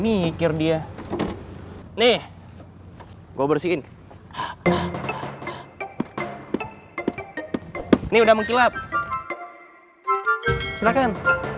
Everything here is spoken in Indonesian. mikir dia nih gue bersihin nih udah mengkilap silakan